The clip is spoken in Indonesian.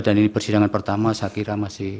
dan ini persidangan pertama saya kira masih